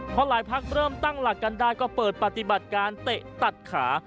พอหลายพักเริ่มตั้งหลักกันได้ก็เปิดปฏิบัติการเตะตัดขา